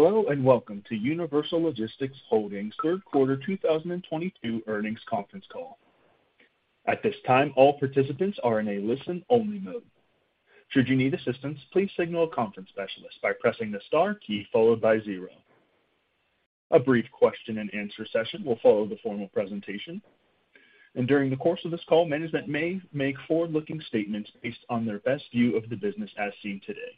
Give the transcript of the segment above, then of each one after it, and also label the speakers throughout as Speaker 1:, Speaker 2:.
Speaker 1: Hello, and welcome to Universal Logistics Holdings Third Quarter 2022 Earnings Conference Call. At this time, all participants are in a listen-only mode. Should you need assistance, please signal a conference specialist by pressing the star key followed by zero. A brief question-and-answer session will follow the formal presentation. During the course of this call, management may make forward-looking statements based on their best view of the business as seen today.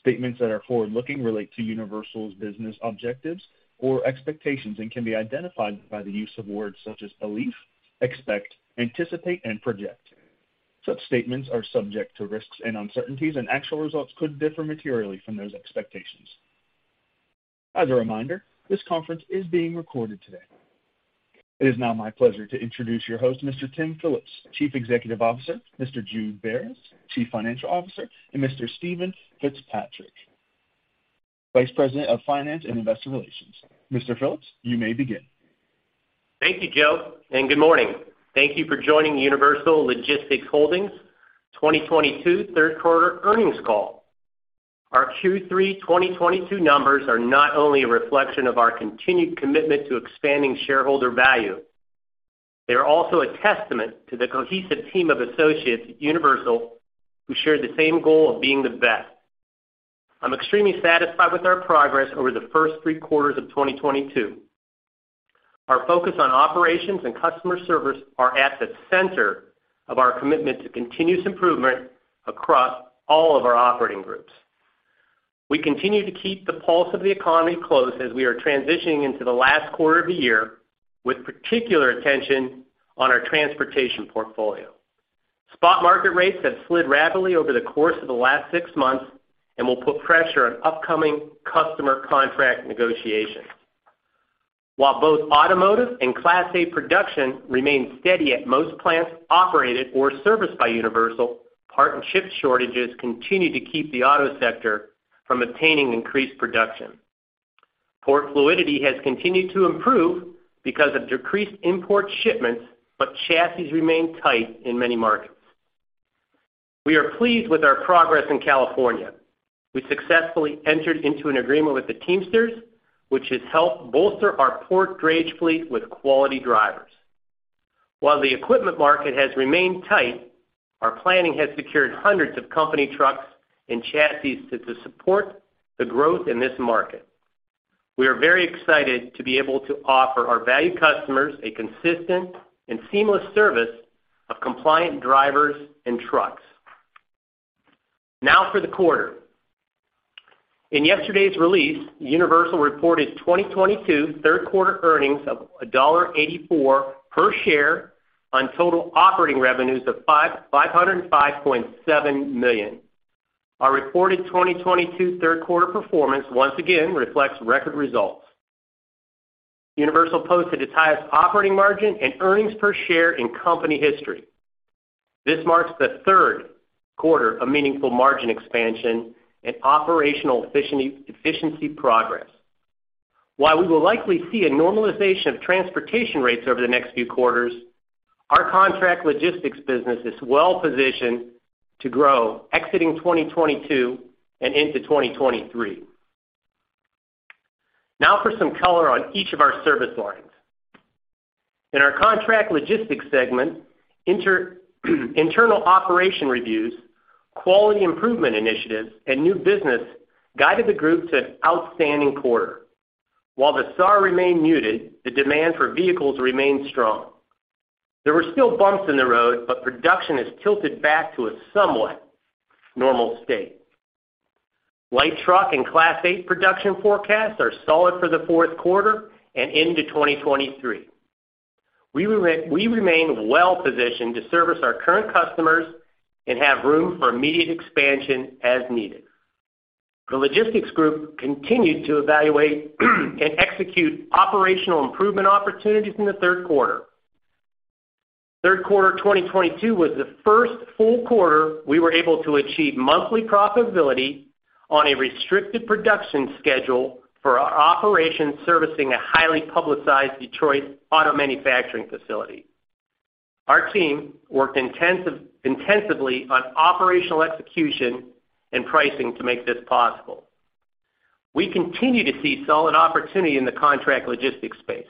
Speaker 1: Statements that are forward-looking relate to Universal's business objectives or expectations and can be identified by the use of words such as believe, expect, anticipate, and project. Such statements are subject to risks and uncertainties, and actual results could differ materially from those expectations. As a reminder, this conference is being recorded today. It is now my pleasure to introduce your host, Mr. Tim Phillips, Chief Executive Officer, Mr.Jude Beres, Chief Financial Officer, and Mr. Steven Fitzpatrick, Vice President of Finance and Investor Relations. Mr. Phillips, you may begin.
Speaker 2: Thank you, Joe, and good morning. Thank you for joining Universal Logistics Holdings 2022 Third Quarter Earnings Call. Our Q3 2022 numbers are not only a reflection of our continued commitment to expanding shareholder value, they are also a testament to the cohesive team of associates at Universal who share the same goal of being the best. I'm extremely satisfied with our progress over the first three quarters of 2022. Our focus on operations and customer service are at the center of our commitment to continuous improvement across all of our operating groups. We continue to keep the pulse of the economy close as we are transitioning into the last quarter of the year with particular attention on our transportation portfolio. Spot market rates have slid rapidly over the course of the last six months and will put pressure on upcoming customer contract negotiations. While both automotive and Class 8 production remain steady at most plants operated or serviced by Universal, parts and chip shortages continue to keep the auto sector from attaining increased production. Port fluidity has continued to improve because of decreased import shipments, but chassis remain tight in many markets. We are pleased with our progress in California. We successfully entered into an agreement with the Teamsters, which has helped bolster our port drayage fleet with quality drivers. While the equipment market has remained tight, our planning has secured hundreds of company trucks and chassis to support the growth in this market. We are very excited to be able to offer our valued customers a consistent and seamless service of compliant drivers and trucks. Now for the quarter. In yesterday's release, Universal reported 2022 third quarter earnings of $1.84 per share on total operating revenues of $555.7 million. Our reported 2022 third quarter performance once again reflects record results. Universal posted its highest operating margin and earnings per share in company history. This marks the third quarter of meaningful margin expansion and operational efficiency progress. While we will likely see a normalization of transportation rates over the next few quarters, our contract logistics business is well positioned to grow exiting 2022 and into 2023. Now for some color on each of our service lines. In our contract logistics segment, internal operation reviews, quality improvement initiatives, and new business guided the group to outstanding quarter. While the SAR remained muted, the demand for vehicles remained strong. There were still bumps in the road, but production has tilted back to a somewhat normal state. Light truck and Class 8 production forecasts are solid for the fourth quarter and into 2023. We remain well positioned to service our current customers and have room for immediate expansion as needed. The logistics group continued to evaluate and execute operational improvement opportunities in the third quarter. Third quarter 2022 was the first full quarter we were able to achieve monthly profitability on a restricted production schedule for our operations servicing a highly publicized Detroit auto manufacturing facility. Our team worked intensively on operational execution and pricing to make this possible. We continue to see solid opportunity in the contract logistics space.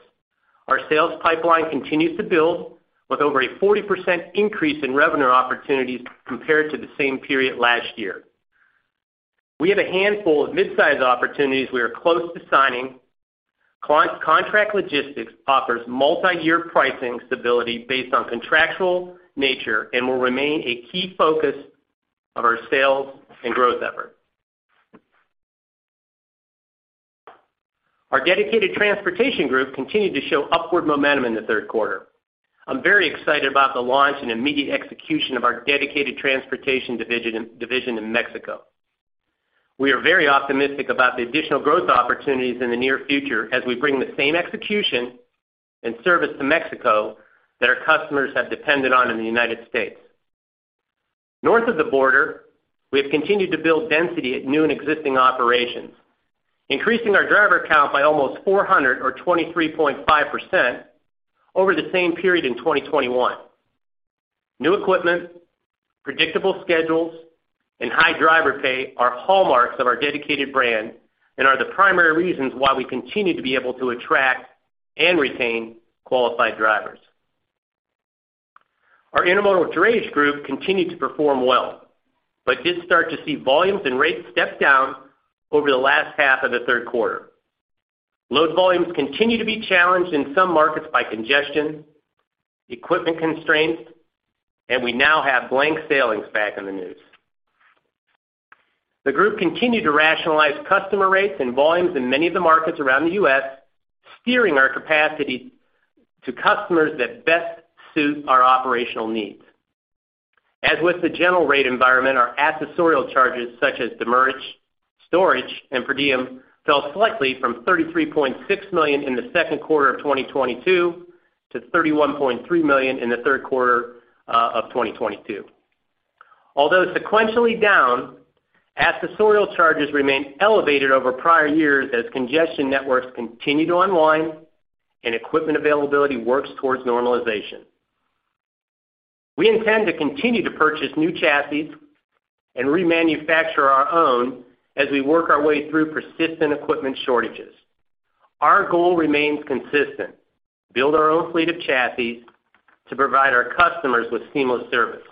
Speaker 2: Our sales pipeline continues to build with over a 40% increase in revenue opportunities compared to the same period last year. We have a handful of mid-sized opportunities we are close to signing. Contract logistics offers multiyear pricing stability based on contractual nature and will remain a key focus of our sales and growth effort. Our dedicated transportation group continued to show upward momentum in the third quarter. I'm very excited about the launch and immediate execution of our dedicated transportation division in Mexico. We are very optimistic about the additional growth opportunities in the near future as we bring the same execution and service to Mexico that our customers have depended on in the United States. North of the border, we have continued to build density at new and existing operations, increasing our driver count by almost 400 or 23.5% over the same period in 2021. New equipment, predictable schedules, and high driver pay are hallmarks of our dedicated brand and are the primary reasons why we continue to be able to attract and retain qualified drivers. Our intermodal drayage group continued to perform well, but did start to see volumes and rates step down over the last half of the third quarter. Load volumes continue to be challenged in some markets by congestion, equipment constraints, and we now have blank sailings back in the news. The group continued to rationalize customer rates and volumes in many of the markets around the U.S., steering our capacity to customers that best suit our operational needs. As with the general rate environment, our accessorial charges such as demurrage, storage, and per diem fell slightly from $33.6 million in the second quarter of 2022 to $31.3 million in the third quarter of 2022. Although sequentially down, accessorial charges remain elevated over prior years as congestion networks continue to unwind and equipment availability works towards normalization. We intend to continue to purchase new chassis and remanufacture our own as we work our way through persistent equipment shortages. Our goal remains consistent, build our own fleet of chassis to provide our customers with seamless service.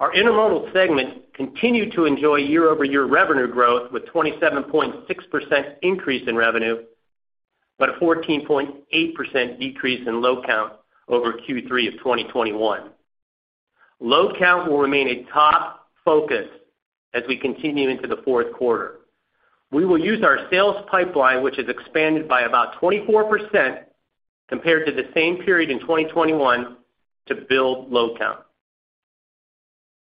Speaker 2: Our intermodal segment continued to enjoy year-over-year revenue growth with 27.6% increase in revenue, but a 14.8% decrease in load count over Q3 of 2021. Load count will remain a top focus as we continue into the fourth quarter. We will use our sales pipeline, which has expanded by about 24% compared to the same period in 2021, to build load count.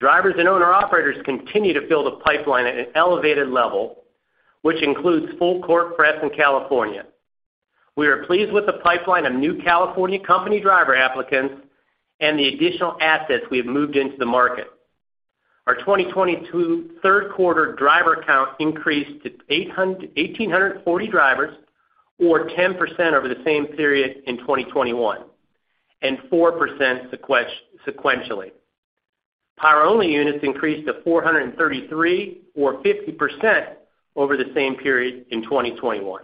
Speaker 2: Drivers and owner-operators continue to build a pipeline at an elevated level, which includes full court press in California. We are pleased with the pipeline of new California company driver applicants and the additional assets we have moved into the market. Our 2022 third quarter driver count increased to 1,840 drivers or 10% over the same period in 2021, and 4% sequentially. Power-only units increased to 433 or 50% over the same period in 2021.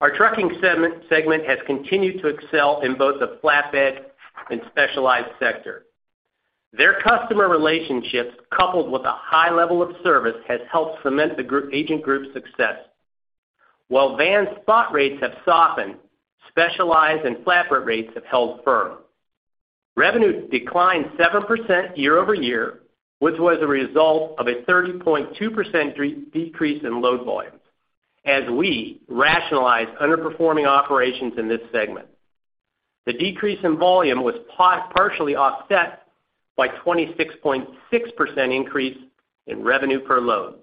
Speaker 2: Our trucking segment has continued to excel in both the flatbed and specialized sector. Their customer relationships, coupled with a high level of service, has helped cement the agent group's success. While van spot rates have softened, specialized and flatbed rates have held firm. Revenue declined 7% year over year, which was a result of a 30.2% decrease in load volumes as we rationalize underperforming operations in this segment. The decrease in volume was partially offset by 26.6% increase in revenue per load.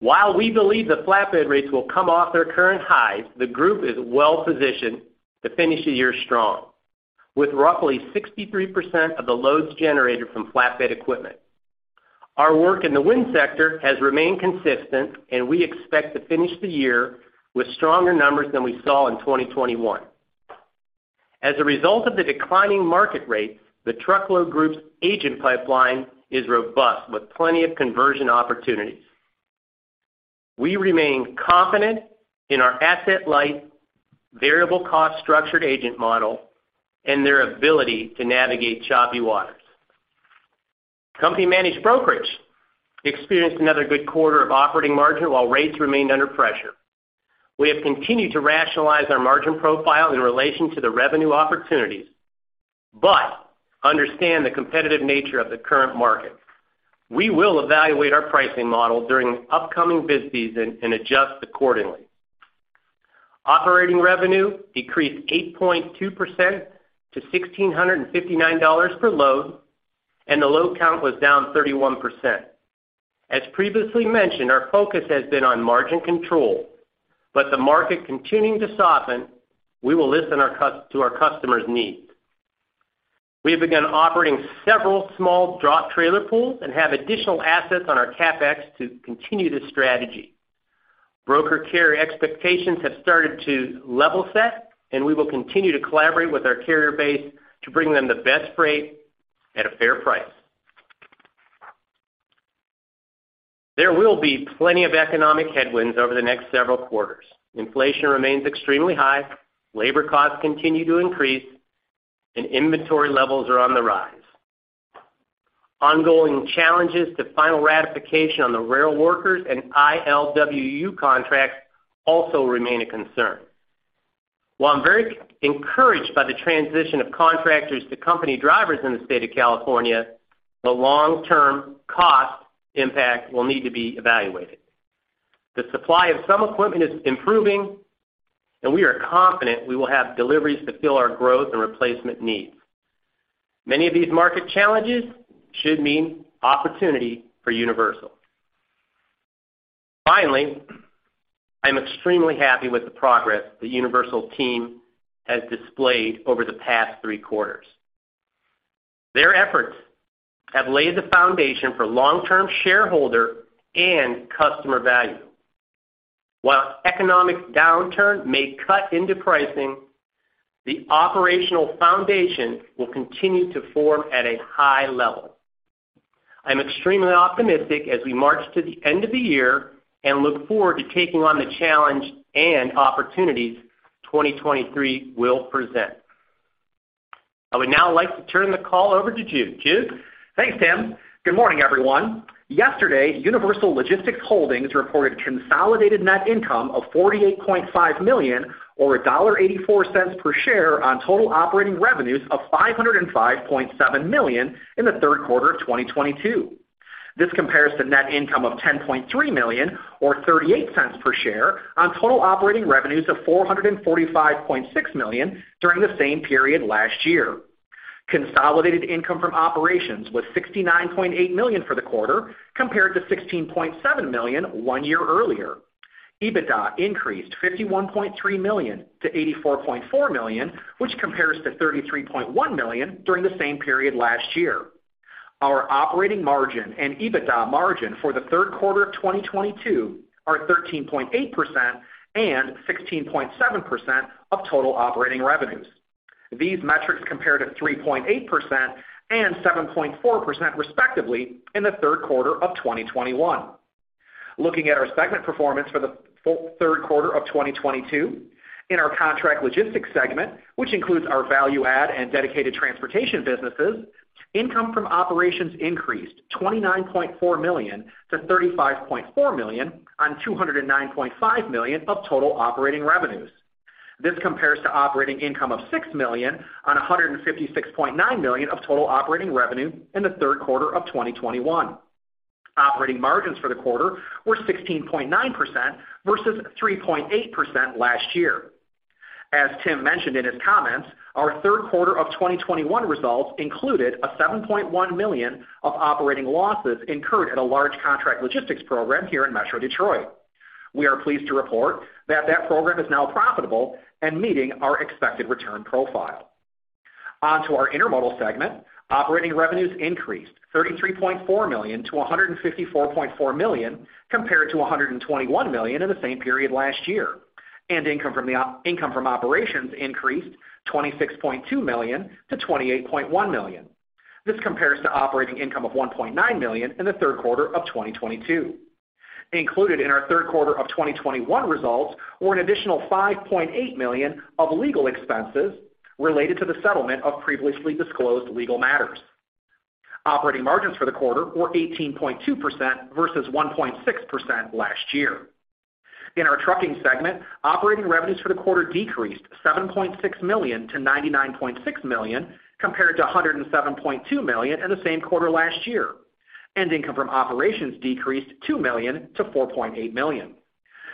Speaker 2: While we believe the flatbed rates will come off their current highs, the group is well-positioned to finish the year strong, with roughly 63% of the loads generated from flatbed equipment. Our work in the wind sector has remained consistent, and we expect to finish the year with stronger numbers than we saw in 2021. As a result of the declining market rate, the truckload group's agent pipeline is robust, with plenty of conversion opportunities. We remain confident in our asset-light, variable cost structured agent model and their ability to navigate choppy waters. Company-managed brokerage experienced another good quarter of operating margin while rates remained under pressure. We have continued to rationalize our margin profile in relation to the revenue opportunities, but understand the competitive nature of the current market. We will evaluate our pricing model during upcoming bid season and adjust accordingly. Operating revenue decreased 8.2% to $1,659 per load, and the load count was down 31%. As previously mentioned, our focus has been on margin control, but the market continuing to soften, we will listen to our customers' needs. We have begun operating several small drop trailer pools and have additional assets on our CapEx to continue this strategy. Broker carrier expectations have started to level set, and we will continue to collaborate with our carrier base to bring them the best freight at a fair price. There will be plenty of economic headwinds over the next several quarters. Inflation remains extremely high, labor costs continue to increase, and inventory levels are on the rise. Ongoing challenges to final ratification on the rail workers and ILWU contracts also remain a concern. While I'm very encouraged by the transition of contractors to company drivers in the state of California, the long-term cost impact will need to be evaluated. The supply of some equipment is improving, and we are confident we will have deliveries to fill our growth and replacement needs. Many of these market challenges should mean opportunity for Universal. Finally, I'm extremely happy with the progress the Universal team has displayed over the past three quarters. Their efforts have laid the foundation for long-term shareholder and customer value. While economic downturn may cut into pricing, the operational foundation will continue to form at a high level. I'm extremely optimistic as we march to the end of the year, and look forward to taking on the challenge and opportunities 2023 will present. I would now like to turn the call over to Jude. Jude?
Speaker 3: Thanks, Tim. Good morning, everyone. Yesterday, Universal Logistics Holdings reported consolidated net income of $48.5 million or $1.84 per share on total operating revenues of $505.7 million in the third quarter of 2022. This compares to net income of $10.3 million or $0.38 per share on total operating revenues of $445.6 million during the same period last year. Consolidated income from operations was $69.8 million for the quarter compared to $16.7 million one year earlier. EBITDA increased $51.3 million to $84.4 million, which compares to $33.1 million during the same period last year. Our operating margin and EBITDA margin for the third quarter of 2022 are 13.8% and 16.7% of total operating revenues. These metrics compared to 3.8% and 7.4% respectively in the third quarter of 2021. Looking at our segment performance for the third quarter of 2022. In our contract logistics segment, which includes our value add and dedicated transportation businesses, income from operations increased $29.4 million to $35.4 million on $209.5 million of total operating revenues. This compares to operating income of $6 million on $156.9 million of total operating revenue in the third quarter of 2021. Operating margins for the quarter were 16.9% versus 3.8% last year. As Tim mentioned in his comments, our third quarter of 2021 results included $7.1 million of operating losses incurred at a large contract logistics program here in Metro Detroit. We are pleased to report that program is now profitable and meeting our expected return profile. On to our intermodal segment, operating revenues increased $33.4 million to $154.4 million compared to $121 million in the same period last year, and income from operations increased $26.2 million to $28.1 million. This compares to operating income of $1.9 million in the third quarter of 2022. Included in our third quarter of 2021 results were an additional $5.8 million of legal expenses related to the settlement of previously disclosed legal matters. Operating margins for the quarter were 18.2% versus 1.6% last year. In our trucking segment, operating revenues for the quarter decreased $7.6 million to $99.6 million, compared to $107.2 million in the same quarter last year, and income from operations decreased $2 million to $4.8 million.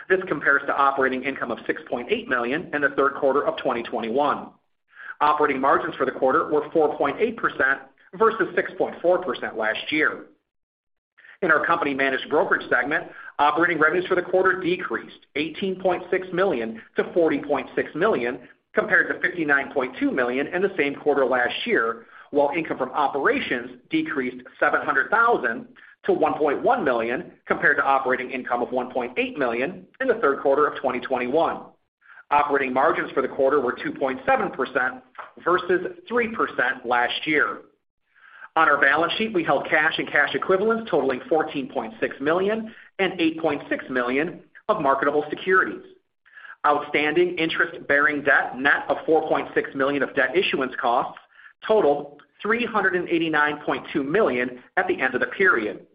Speaker 3: This compares to operating income of $6.8 million in the third quarter of 2021. Operating margins for the quarter were 4.8% versus 6.4% last year. In our company managed brokerage segment, operating revenues for the quarter decreased $18.6 million to $40.6 million, compared to $59.2 million in the same quarter last year, while income from operations decreased $700,000 to $1.1 million, compared to operating income of $1.8 million in the third quarter of 2021. Operating margins for the quarter were 2.7% versus 3% last year. On our balance sheet, we held cash and cash equivalents totaling $14.6 million and $8.6 million of marketable securities. Outstanding interest-bearing debt, net of $4.6 million of debt issuance costs totaled $389.2 million at the end of the period.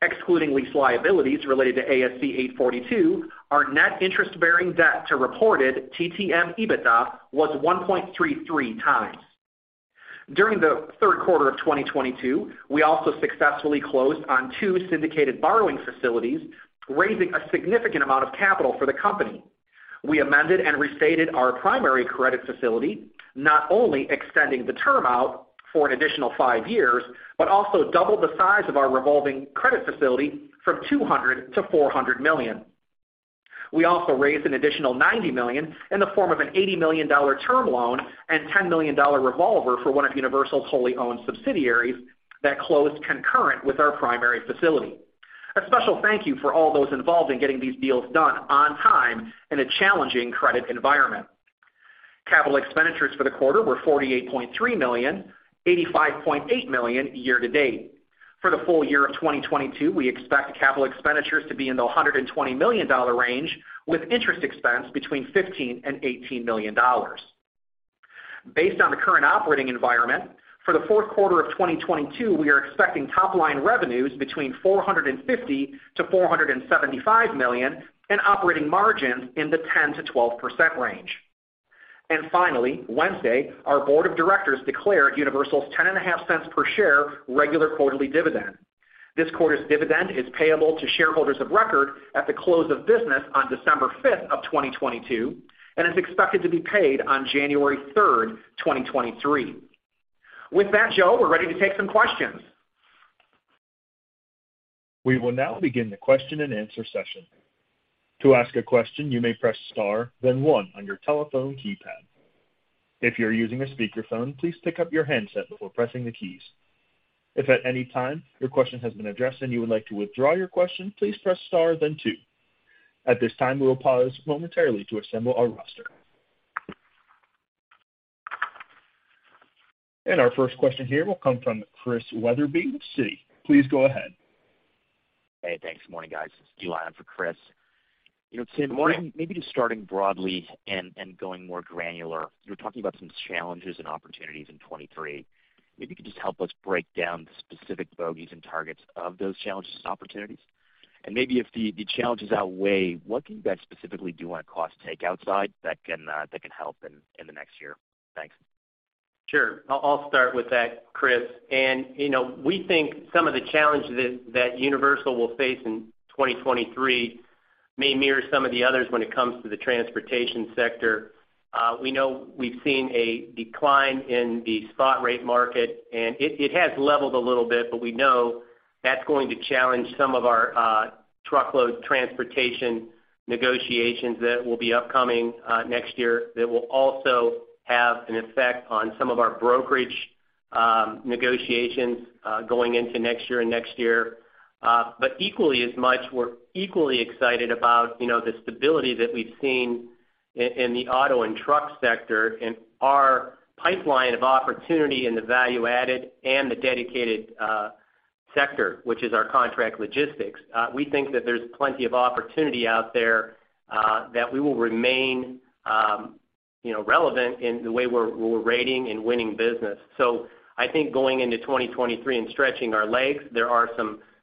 Speaker 3: Excluding lease liabilities related to ASC 842, our net interest-bearing debt to reported TTM EBITDA was 1.33x. During the third quarter of 2022, we also successfully closed on two syndicated borrowing facilities, raising a significant amount of capital for the company. We amended and restated our primary credit facility, not only extending the term out for an additional five years, but also doubled the size of our revolving credit facility from $200 million to $400 million. We also raised an additional $90 million in the form of an $80 million term loan and $10 million revolver for one of Universal's wholly owned subsidiaries that closed concurrent with our primary facility. A special thank you for all those involved in getting these deals done on time in a challenging credit environment. Capital expenditures for the quarter were $48.3 million, $85.8 million year to date. For the full year of 2022, we expect capital expenditures to be in the $120 million range with interest expense between $15 million and $18 million. Based on the current operating environment, for the fourth quarter of 2022, we are expecting top line revenues between $450 million-$475 million and operating margins in the 10%-12% range. Finally, Wednesday, our board of directors declared Universal's $0.105 per share regular quarterly dividend. This quarter's dividend is payable to shareholders of record at the close of business on December 5th, 2022 and is expected to be paid on January 3rd, 2023. With that, Joe, we're ready to take some questions.
Speaker 1: We will now begin the question-and-answer session. To ask a question, you may press star then one on your telephone keypad. If you're using a speakerphone, please pick up your handset before pressing the keys. If at any time your question has been addressed and you would like to withdraw your question, please press star then two. At this time, we will pause momentarily to assemble our roster. Our first question here will come from Chris Wetherbee with Citi. Please go ahead.
Speaker 4: Hey, thanks. Morning, guys. It's Eli. I'm for Chris. You know, Tim-
Speaker 2: Good morning.
Speaker 4: Maybe just starting broadly and going more granular. You were talking about some challenges and opportunities in 2023. Maybe you could just help us break down the specific bogeys and targets of those challenges and opportunities. Maybe if the challenges outweigh, what can you guys specifically do on a cost takeout that can help in the next year? Thanks.
Speaker 2: Sure. I'll start with that, Chris. You know, we think some of the challenges that Universal will face in 2023 may mirror some of the others when it comes to the transportation sector. We know we've seen a decline in the spot rate market, and it has leveled a little bit, but we know that's going to challenge some of our truckload transportation negotiations that will be upcoming next year, that will also have an effect on some of our brokerage negotiations going into next year and next year. But equally as much, we're equally excited about the stability that we've seen in the auto and truck sector and our pipeline of opportunity in the value-added and the dedicated sector, which is our contract logistics. We think that there's plenty of opportunity out there, that we will remain, you know, relevant in the way we're rating and winning business. I think going into 2023 and stretching our legs,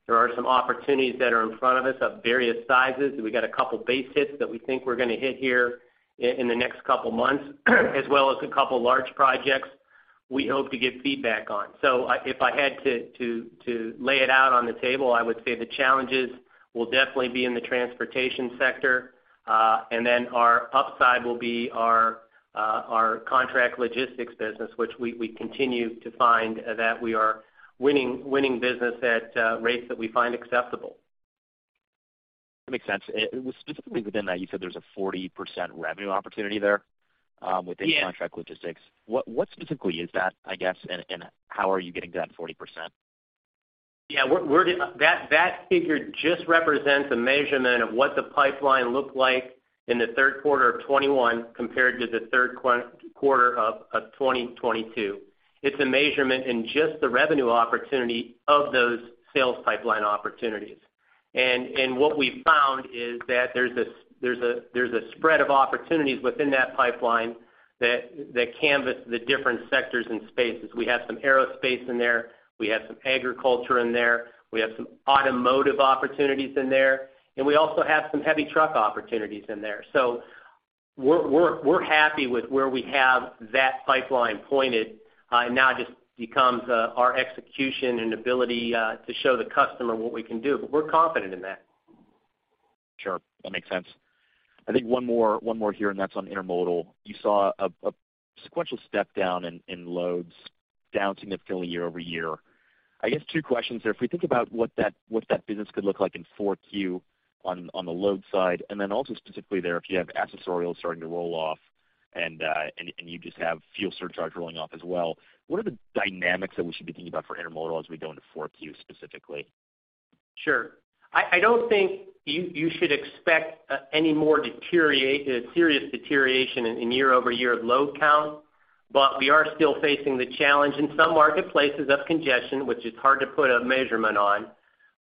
Speaker 2: there are some opportunities that are in front of us of various sizes. We've got a couple base hits that we think we're gonna hit here in the next couple months, as well as a couple large projects we hope to get feedback on. If I had to lay it out on the table, I would say the challenges will definitely be in the transportation sector, and then our upside will be our contract logistics business, which we continue to find that we are winning business at rates that we find acceptable.
Speaker 4: That makes sense. Specifically within that, you said there's a 40% revenue opportunity there.
Speaker 2: Yeah.
Speaker 4: within contract logistics. What specifically is that, I guess, and how are you getting to that 40%?
Speaker 2: That figure just represents a measurement of what the pipeline looked like in the third quarter of 2021 compared to the third quarter of 2022. It's a measurement in just the revenue opportunity of those sales pipeline opportunities. What we found is that there's a spread of opportunities within that pipeline that canvass the different sectors and spaces. We have some aerospace in there, we have some agriculture in there, we have some automotive opportunities in there, and we also have some heavy truck opportunities in there. We're happy with where we have that pipeline pointed. It now just becomes our execution and ability to show the customer what we can do, but we're confident in that.
Speaker 4: Sure, that makes sense. I think one more here, and that's on intermodal. You saw sequential step down in loads, down significantly year-over-year. I guess two questions there. If we think about what that business could look like in 4Q on the load side, and then also specifically there, if you have accessorial starting to roll off and you just have fuel surcharge rolling off as well, what are the dynamics that we should be thinking about for intermodal as we go into 4Q specifically?
Speaker 2: Sure. I don't think you should expect any more serious deterioration in year-over-year load count, but we are still facing the challenge in some marketplaces of congestion, which is hard to put a measurement on.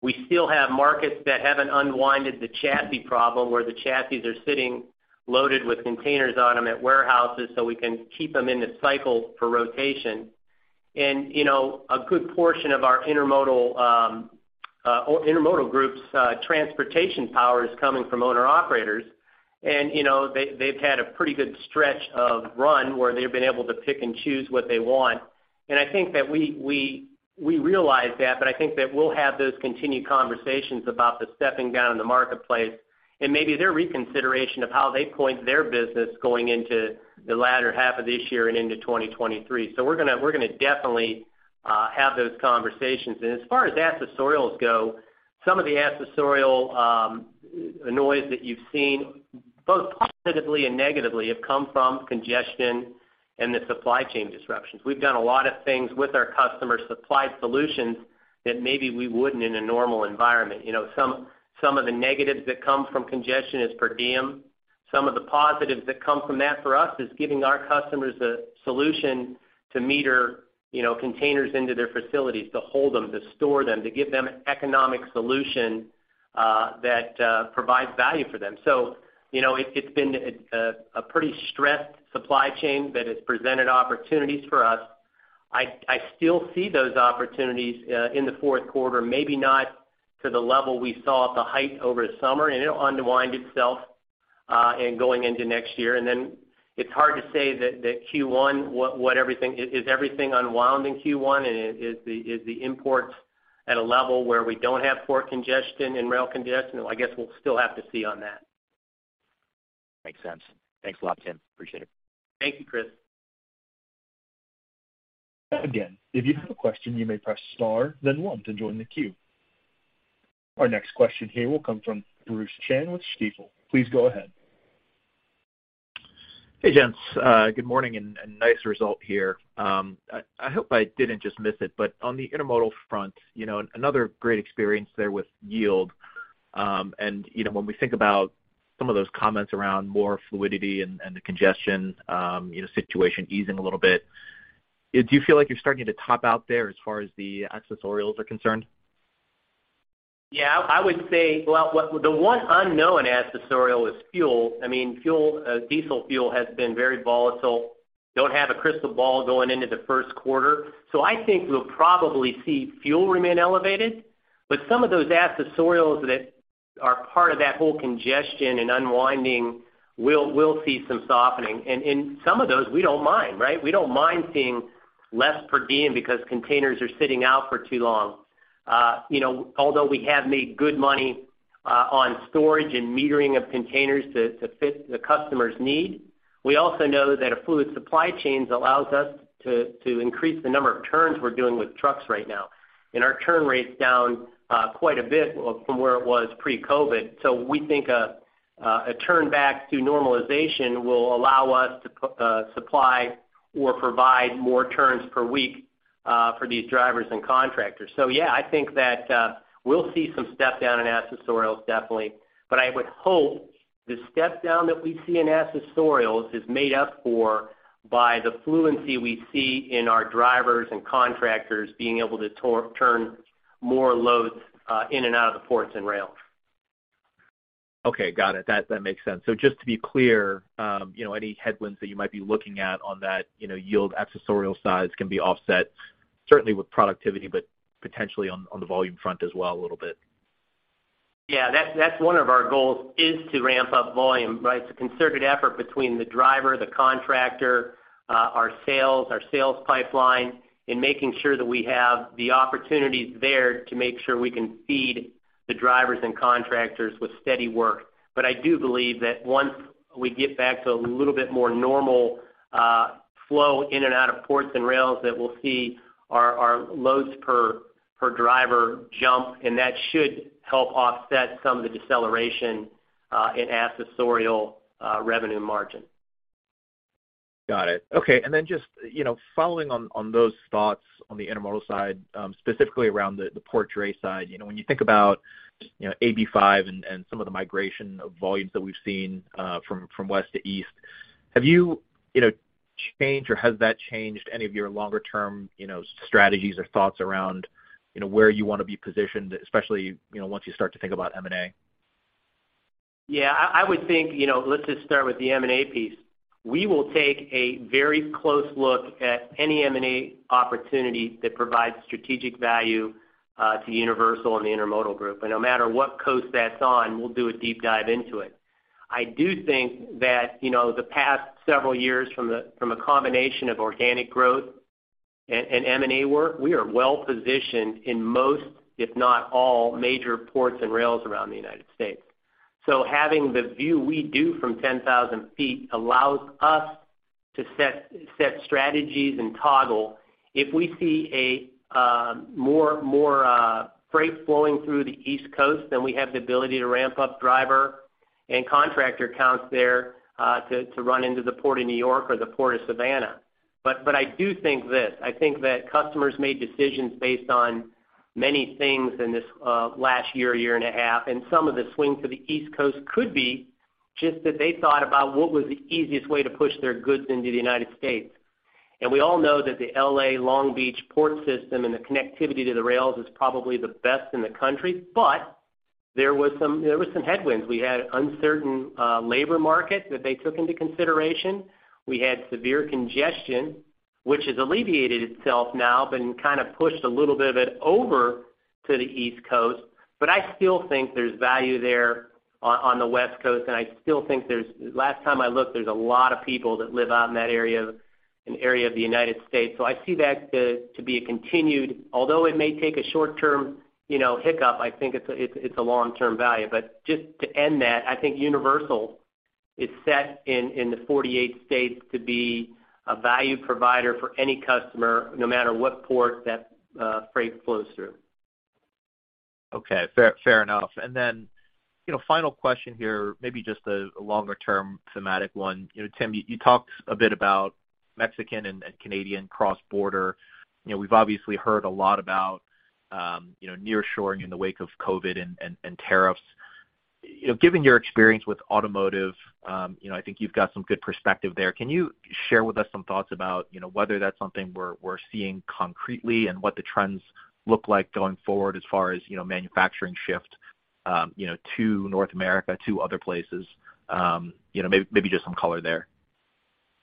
Speaker 2: We still have markets that haven't unwound the chassis problem, where the chassis are sitting loaded with containers on them at warehouses so we can keep them in the cycle for rotation. You know, a good portion of our intermodal group's transportation power is coming from owner-operators. You know, they've had a pretty good stretch of run where they've been able to pick and choose what they want. I think that we realize that, but I think that we'll have those continued conversations about the stepping down in the marketplace and maybe their reconsideration of how they point their business going into the latter half of this year and into 2023. We're gonna definitely have those conversations. As far as accessorials go, some of the accessorial noise that you've seen, both positively and negatively, have come from congestion and the supply chain disruptions. We've done a lot of things with our customers, supplied solutions that maybe we wouldn't in a normal environment. You know, some of the negatives that come from congestion is per diem. Some of the positives that come from that for us is giving our customers a solution to meter, you know, containers into their facilities, to hold them, to store them, to give them economic solution, that provides value for them. So, you know, it's been a pretty stressed supply chain that has presented opportunities for us. I still see those opportunities in the fourth quarter, maybe not to the level we saw at the height over summer, and it'll unwind itself in going into next year. Then it's hard to say that Q1, what everything is everything unwound in Q1? Is the imports at a level where we don't have port congestion and rail congestion? I guess we'll still have to see on that.
Speaker 4: Makes sense. Thanks a lot, Tim. Appreciate it.
Speaker 2: Thank you, Chris.
Speaker 1: Again, if you have a question, you may press star then one to join the queue. Our next question here will come from Bruce Chan with Stifel. Please go ahead.
Speaker 5: Hey, gents. Good morning and nice result here. I hope I didn't just miss it, but on the intermodal front, you know, another great experience there with yield, and you know, when we think about some of those comments around more fluidity and the congestion, you know, situation easing a little bit, do you feel like you're starting to top out there as far as the accessorials are concerned?
Speaker 2: The one unknown accessorial is fuel. I mean, fuel, diesel fuel has been very volatile. Don't have a crystal ball going into the first quarter. I think we'll probably see fuel remain elevated, but some of those accessorials that are part of that whole congestion and unwinding will see some softening. In some of those, we don't mind, right? We don't mind seeing less per diem because containers are sitting out for too long. You know, although we have made good money on storage and metering of containers to fit the customer's need, we also know that a fluid supply chain allows us to increase the number of turns we're doing with trucks right now. Our turn rate's down quite a bit from where it was pre-COVID. We think a turn back to normalization will allow us to supply or provide more turns per week for these drivers and contractors. Yeah, I think that we'll see some step down in accessorials definitely. I would hope the step down that we see in accessorials is made up for by the efficiency we see in our drivers and contractors being able to turn more loads in and out of the ports and rails.
Speaker 5: Okay. Got it. That makes sense. Just to be clear, you know, any headwinds that you might be looking at on that, you know, yield accessorial size can be offset certainly with productivity, but potentially on the volume front as well a little bit.
Speaker 2: Yeah. That's one of our goals, is to ramp up volume, right? It's a concerted effort between the driver, the contractor, our sales pipeline in making sure that we have the opportunities there to make sure we can feed the drivers and contractors with steady work. I do believe that once we get back to a little bit more normal flow in and out of ports and rails, that we'll see our loads per driver jump, and that should help offset some of the deceleration in accessorial revenue margin.
Speaker 5: Got it. Okay. Then just, you know, following on those thoughts on the intermodal side, specifically around the port dray side. You know, when you think about, you know, AB5 and some of the migration of volumes that we've seen from West to East, have you know, changed or has that changed any of your longer term, you know, strategies or thoughts around, you know, where you wanna be positioned, especially, you know, once you start to think about M&A?
Speaker 2: Yeah. I would think, you know, let's just start with the M&A piece. We will take a very close look at any M&A opportunity that provides strategic value to Universal and the intermodal group. No matter what coast that's on, we'll do a deep dive into it. I do think that, you know, the past several years from a combination of organic growth and M&A work, we are well-positioned in most, if not all, major ports and rails around the United States. Having the view we do from 10,000 ft allows us to set strategies and toggle. If we see more freight flowing through the East Coast, then we have the ability to ramp up driver and contractor counts there to run into the Port of New York or the Port of Savannah. I do think this: I think that customers made decisions based on many things in this last year and a half, and some of the swing to the East Coast could be just that they thought about what was the easiest way to push their goods into the United States. We all know that the L.A. Long Beach port system and the connectivity to the rails is probably the best in the country, but there was some headwinds. We had uncertain labor market that they took into consideration. We had severe congestion, which has alleviated itself now, been kind of pushed a little bit of it over to the East Coast, but I still think there's value there on the West Coast. Last time I looked, there's a lot of people that live out in that area of the United States. I see that, too, to be continued, although it may take a short-term, you know, hiccup. I think it's a long-term value. Just to end that, I think Universal is set in the 48 states to be a value provider for any customer, no matter what port that freight flows through.
Speaker 5: Okay. Fair enough. Then, you know, final question here, maybe just a longer term thematic one. You know, Tim, you talked a bit about Mexican and Canadian cross border. You know, we've obviously heard a lot about, you know, nearshoring in the wake of COVID and tariffs. You know, given your experience with automotive, you know, I think you've got some good perspective there. Can you share with us some thoughts about, you know, whether that's something we're seeing concretely and what the trends look like going forward as far as, you know, manufacturing shift, you know, to North America, to other places? Maybe just some color there.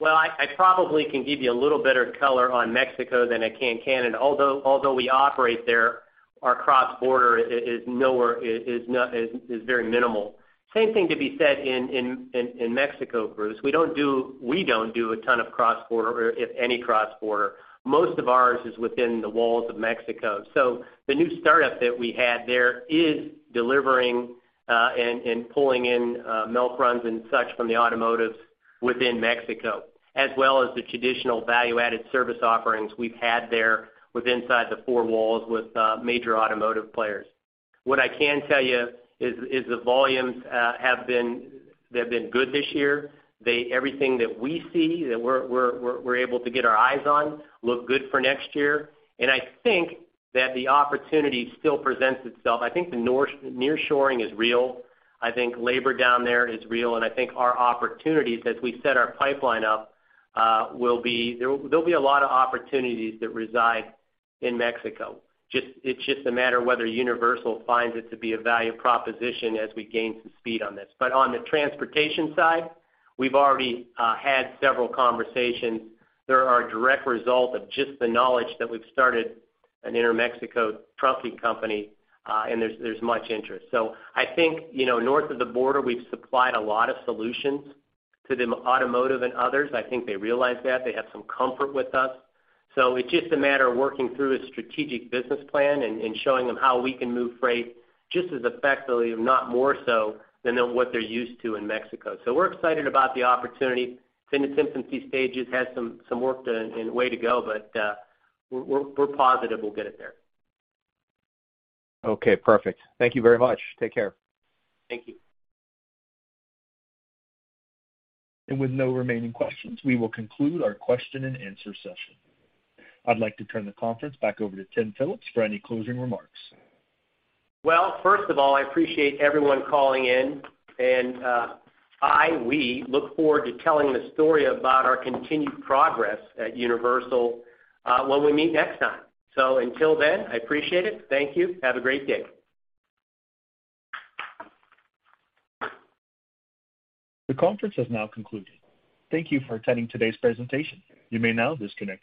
Speaker 2: Well, I probably can give you a little better color on Mexico than I can Canada, although we operate there, our cross-border is very minimal. Same thing to be said in Mexico, Bruce. We don't do a ton of cross-border, or if any cross-border. Most of ours is within the walls of Mexico. The new startup that we had there is delivering and pulling in milk runs and such from the automotives within Mexico, as well as the traditional value-added service offerings we've had there inside the four walls with major automotive players. What I can tell you is the volumes have been good this year. Everything that we see, that we're able to get our eyes on look good for next year. I think that the opportunity still presents itself. I think the nearshoring is real. I think labor down there is real, and I think our opportunities, as we set our pipeline up, there'll be a lot of opportunities that reside in Mexico. It's just a matter whether Universal finds it to be a value proposition as we gain some speed on this. On the transportation side, we've already had several conversations that are a direct result of just the knowledge that we've started an Intermexico trucking company, and there's much interest. I think, you know, north of the border, we've supplied a lot of solutions to the automotive and others. I think they realize that. They have some comfort with us. It's just a matter of working through a strategic business plan and showing them how we can move freight just as effectively, if not more so, than what they're used to in Mexico. We're excited about the opportunity. It's in its infancy stages. Has some work and way to go, but we're positive we'll get it there.
Speaker 5: Okay, perfect. Thank you very much. Take care.
Speaker 2: Thank you.
Speaker 1: With no remaining questions, we will conclude our question-and-answer session. I'd like to turn the conference back over to Tim Phillips for any closing remarks.
Speaker 2: Well, first of all, I appreciate everyone calling in, and we look forward to telling the story about our continued progress at Universal, when we meet next time. Until then, I appreciate it. Thank you. Have a great day.
Speaker 1: The conference has now concluded. Thank you for attending today's presentation. You may now disconnect your lines.